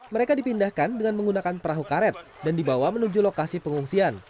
mereka dipindahkan dengan menggunakan perahu karet dan dibawa menuju lokasi pengungsian